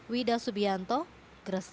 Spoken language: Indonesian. wida subianto gresik